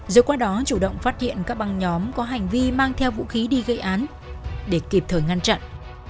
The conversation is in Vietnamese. rồi qua đó chủ động phát hiện các băng nhóm có hành vi mang theo vũ khí đi gây án để kịp thời ngăn chặn